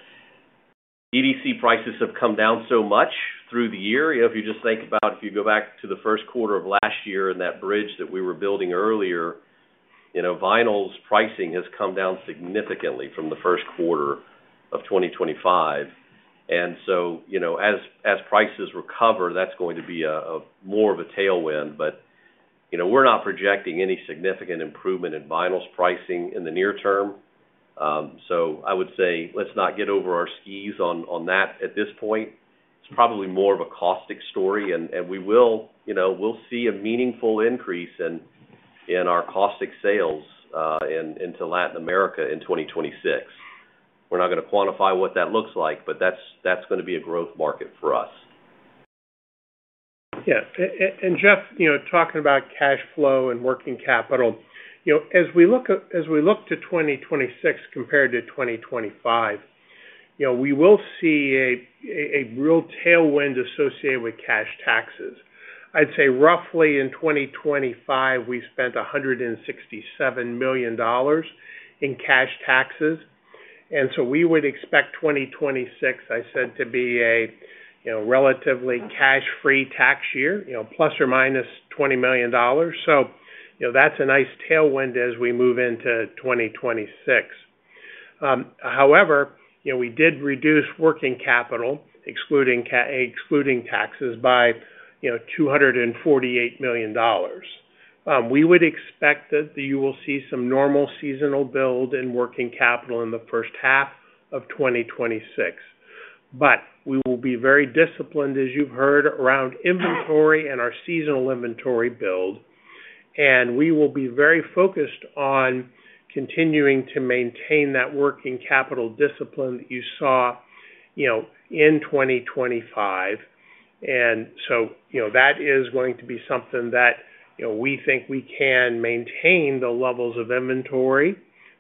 S3: EDC prices have come down so much through the year. You know, if you just think about if you go back to the first quarter of last year and that bridge that we were building earlier, you know, vinyls pricing has come down significantly from the first quarter of 2025. And so, you know, as prices recover, that's going to be more of a tailwind. But, you know, we're not projecting any significant improvement in vinyls pricing in the near term. I would say, let's not get over our skis on that at this point. It's probably more of a caustic story, and we will, you know, we'll see a meaningful increase in our caustic sales into Latin America in 2026. We're not gonna quantify what that looks like, but that's gonna be a growth market for us.
S4: Yeah. And Jeff, you know, talking about cash flow and working capital, you know, as we look to 2026 compared to 2025, you know, we will see a real tailwind associated with cash taxes. I'd say, roughly in 2025, we spent $167 million in cash taxes. And so we would expect 2026, I said, to be a, you know, relatively cash-free tax year, you know, plus or minus $20 million. So, you know, that's a nice tailwind as we move into 2026. However, you know, we did reduce working capital, excluding taxes, by, you know, $248 million. We would expect that you will see some normal seasonal build in working capital in the first half of 2026. But we will be very disciplined, as you've heard, around inventory and our seasonal inventory build, and we will be very focused on continuing to maintain that working capital discipline that you saw, you know, in 2025. And so, you know, that is going to be something that, you know, we think we can maintain the levels of inventory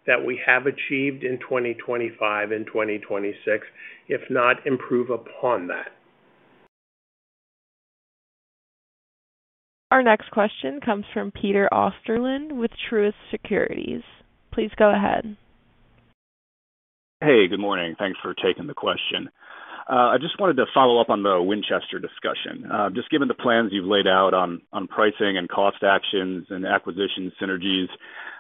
S4: that we have achieved in 2025 and 2026, if not improve upon that.
S1: Our next question comes from Peter Osterland with Truist Securities. Please go ahead.
S16: Hey, good morning. Thanks for taking the question. I just wanted to follow up on the Winchester discussion. Just given the plans you've laid out on pricing and cost actions and acquisition synergies,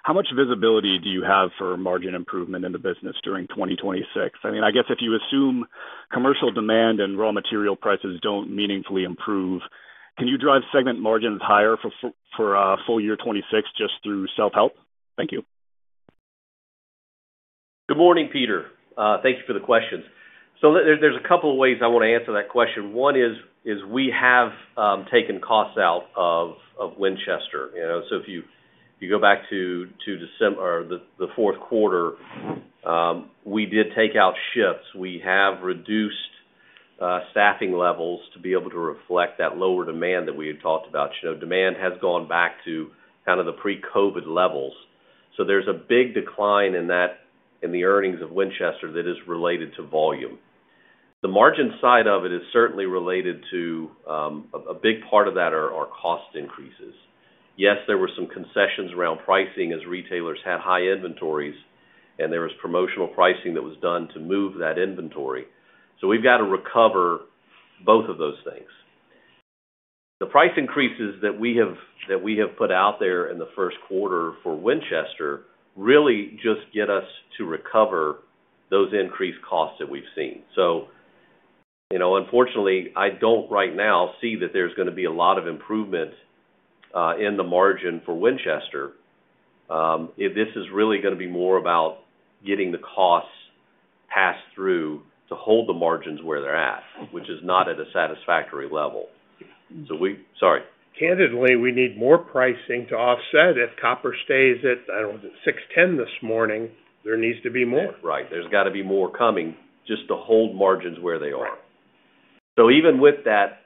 S16: how much visibility do you have for margin improvement in the business during 2026? I mean, I guess if you assume commercial demand and raw material prices don't meaningfully improve, can you drive segment margins higher for full year 2026 just through self-help? Thank you.
S3: Good morning, Peter. Thank you for the question. So there's a couple of ways I want to answer that question. One is we have taken costs out of Winchester. You know, so if you go back to the fourth quarter, we did take out shifts. We have reduced staffing levels to be able to reflect that lower demand that we had talked about. You know, demand has gone back to kind of the pre-COVID levels. So there's a big decline in that, in the earnings of Winchester that is related to volume. The margin side of it is certainly related to a big part of that are cost increases. Yes, there were some concessions around pricing as retailers had high inventories, and there was promotional pricing that was done to move that inventory. So we've got to recover both of those things. The price increases that we have, that we have put out there in the first quarter for Winchester, really just get us to recover those increased costs that we've seen. So, you know, unfortunately, I don't right now see that there's gonna be a lot of improvement, in the margin for Winchester. This is really gonna be more about getting the costs passed through to hold the margins where they're at, which is not at a satisfactory level. Sorry.
S4: Candidly, we need more pricing to offset. If copper stays at, I don't know, $6.10 this morning, there needs to be more.
S3: Right. There's got to be more coming just to hold margins where they are. So even with that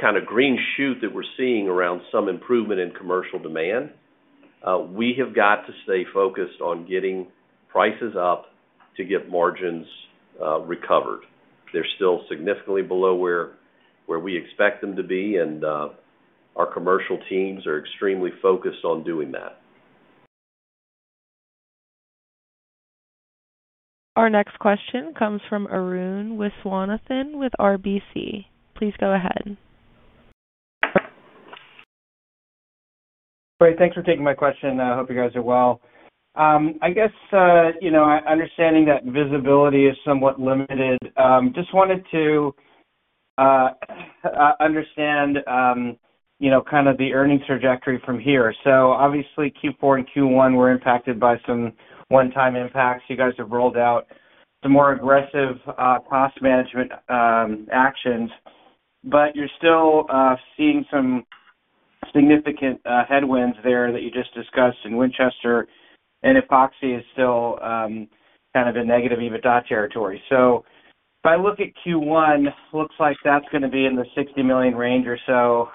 S3: kind of green shoot that we're seeing around some improvement in commercial demand, we have got to stay focused on getting prices up to get margins recovered. They're still significantly below where, where we expect them to be, and our commercial teams are extremely focused on doing that.
S1: Our next question comes from Arun Viswanathan with RBC. Please go ahead.
S17: Great. Thanks for taking my question. I hope you guys are well. I guess, you know, understanding that visibility is somewhat limited, just wanted to understand, you know, kind of the earnings trajectory from here. So obviously, Q4 and Q1 were impacted by some one-time impacts. You guys have rolled out some more aggressive cost management actions, but you're still seeing some significant headwinds there that you just discussed in Winchester, and Epoxy is still kind of a negative EBITDA territory. So if I look at Q1, looks like that's gonna be in the $60 million range or so,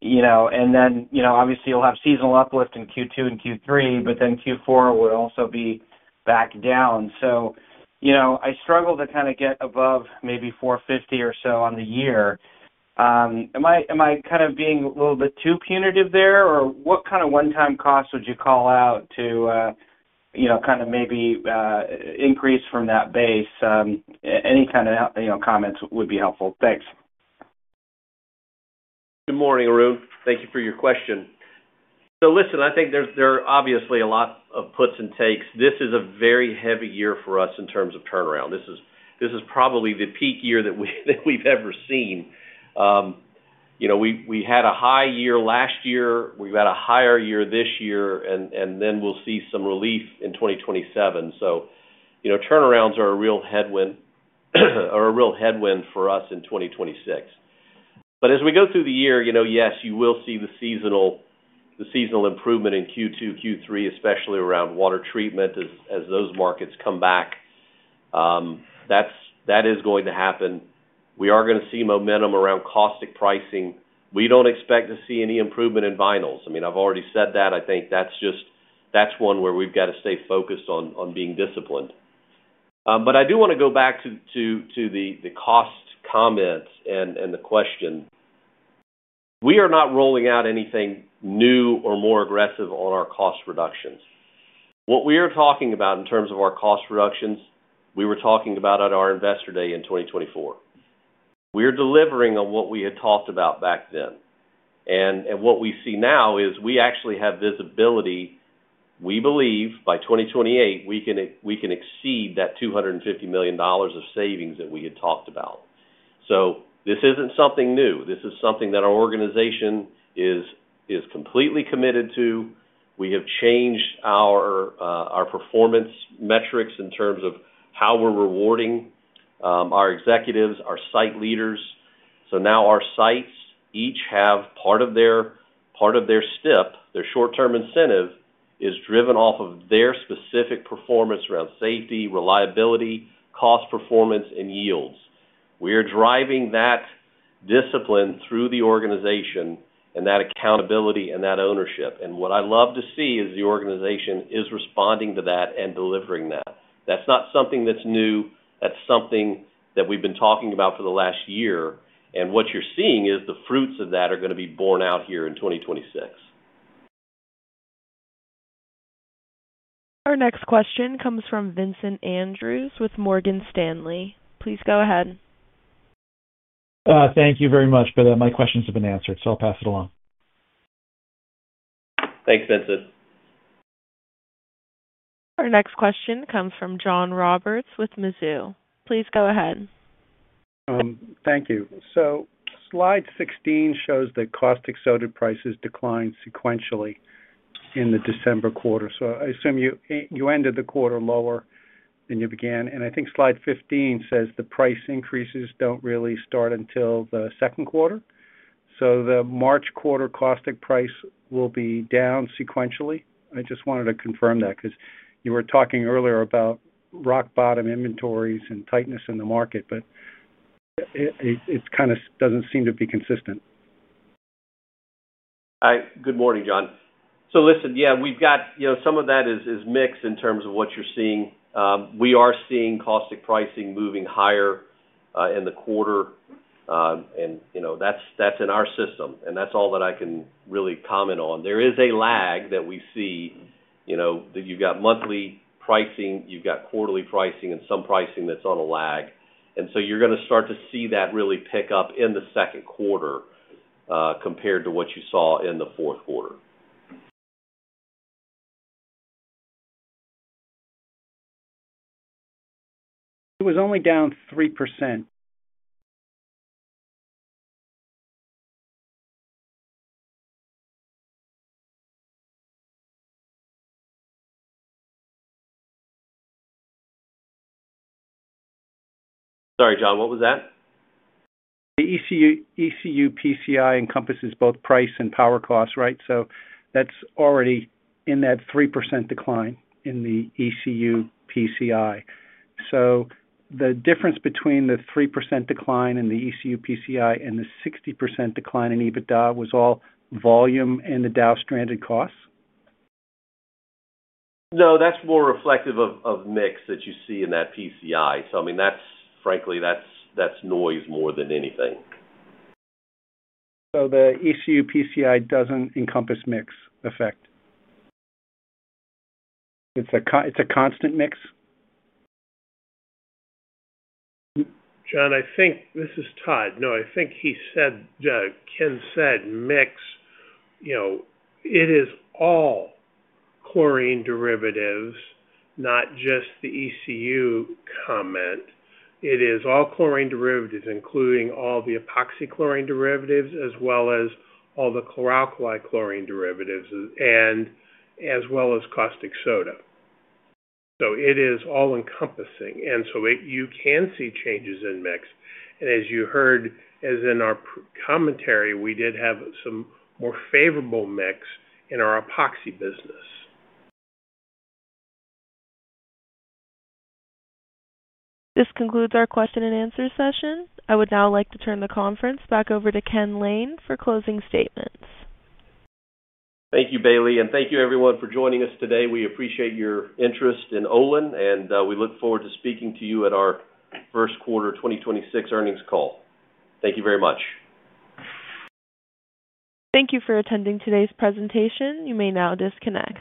S17: you know, and then, you know, obviously, you'll have seasonal uplift in Q2 and Q3, but then Q4 will also be back down. You know, I struggle to kind of get above maybe $450 or so on the year. Am I kind of being a little bit too punitive there, or what kind of one-time costs would you call out to, you know, kind of maybe increase from that base? Any kind of, you know, comments would be helpful. Thanks.
S3: Good morning, Arun. Thank you for your question. So listen, I think there's, there are obviously a lot of puts and takes. This is a very heavy year for us in terms of turnaround. This is probably the peak year that we've ever seen. You know, we had a high year last year, we've had a higher year this year, and then we'll see some relief in 2027. So, you know, turnarounds are a real headwind for us in 2026. But as we go through the year, you know, yes, you will see the seasonal improvement in Q2, Q3, especially around water treatment as those markets come back. That is going to happen. We are gonna see momentum around caustic pricing. We don't expect to see any improvement in vinyls. I mean, I've already said that. I think that's just, that's one where we've got to stay focused on, on being disciplined. But I do want to go back to the cost comments and the question. We are not rolling out anything new or more aggressive on our cost reductions. What we are talking about in terms of our cost reductions, we were talking about at our Investor Day in 2024. We are delivering on what we had talked about back then, and what we see now is we actually have visibility. We believe by 2028, we can exceed that $250 million of savings that we had talked about. So this isn't something new. This is something that our organization is completely committed to. We have changed our, our performance metrics in terms of how we're rewarding, our executives, our site leaders. So now our sites each have part of their, part of their STIP, their short-term incentive, is driven off of their specific performance around safety, reliability, cost, performance, and yields. We are driving that discipline through the organization and that accountability and that ownership, and what I love to see is the organization is responding to that and delivering that. That's not something that's new. That's something that we've been talking about for the last year, and what you're seeing is the fruits of that are gonna be borne out here in 2026.
S1: Our next question comes from Vincent Andrews with Morgan Stanley. Please go ahead.
S18: Thank you very much, but my questions have been answered, so I'll pass it along.
S3: Thanks, Vincent.
S1: Our next question comes from John Roberts with Mizuho. Please go ahead.
S19: Thank you. So slide 16 shows that Caustic Soda prices declined sequentially in the December quarter. So I assume you ended the quarter lower than you began, and I think slide 15 says the price increases don't really start until the second quarter. So the March quarter Caustic Soda price will be down sequentially. I just wanted to confirm that, because you were talking earlier about rock bottom inventories and tightness in the market, but it kind of doesn't seem to be consistent.
S3: Hi. Good morning, John. So listen, yeah, we've got, you know, some of that is mixed in terms of what you're seeing. We are seeing caustic pricing moving higher in the quarter. And, you know, that's in our system, and that's all that I can really comment on. There is a lag that we see, you know, that you've got monthly pricing, you've got quarterly pricing, and some pricing that's on a lag. And so you're gonna start to see that really pick up in the second quarter, compared to what you saw in the fourth quarter.
S19: It was only down 3%.
S3: Sorry, John, what was that?
S19: The ECU, ECU PCI encompasses both price and power costs, right? So that's already in that 3% decline in the ECU PCI. So the difference between the 3% decline in the ECU PCI and the 60% decline in EBITDA was all volume and the Dow stranded costs?
S3: No, that's more reflective of the mix that you see in that PCI. So, I mean, that's frankly noise more than anything.
S19: The ECU PCI doesn't encompass mix effect? It's a constant mix?
S4: John, I think. This is Todd. No, I think he said, Ken said, mix, you know, it is all chlorine derivatives, not just the ECU comment. It is all chlorine derivatives, including all the epoxy chlorine derivatives, as well as all the chlor-alkali chlorine derivatives and as well as caustic soda. So it is all-encompassing, and so it you can see changes in mix, and as you heard, as in our prepared commentary, we did have some more favorable mix in our epoxy business.
S1: This concludes our Q&A session. I would now like to turn the conference back over to Ken Lane for closing statements.
S3: Thank you, Bailey, and thank you, everyone, for joining us today. We appreciate your interest in Olin, and we look forward to speaking to you at our first quarter 2026 earnings call. Thank you very much.
S1: Thank you for attending today's presentation. You may now disconnect.